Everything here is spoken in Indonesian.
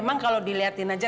emang kalau dilihatin aja